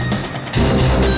lo sudah bisa berhenti